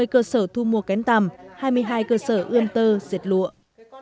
một trăm năm mươi cơ sở thu mua kén tằm hai mươi hai cơ sở ương tơ diệt lụa